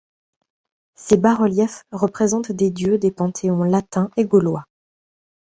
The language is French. Ces bas-reliefs représentent des dieux des panthéons latin et gaulois.